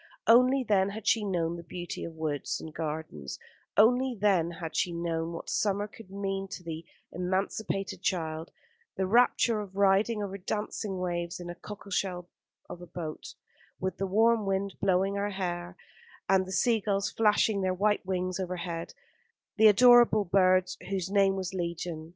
Only then had she known the beauty of woods and gardens; only then had she known what summer could mean to the emancipated child: the rapture of riding over dancing waves in a cockle shell of a boat, with the warm wind blowing her hair and the sea gulls flashing their white wings overhead, the adorable birds whose name was legion.